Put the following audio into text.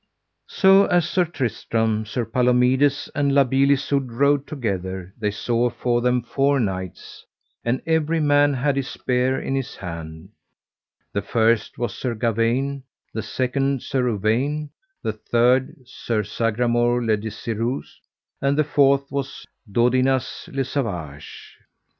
So as Sir Tristram, Sir Palomides, and La Beale Isoud rode together they saw afore them four knights, and every man had his spear in his hand: the first was Sir Gawaine, the second Sir Uwaine, the third Sir Sagramore le Desirous, and the fourth was Dodinas le Savage.